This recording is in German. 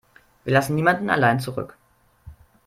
Wir lassen niemanden allein zurück.